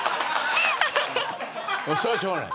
それはしょうがない。